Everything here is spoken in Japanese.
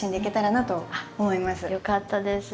よかったです。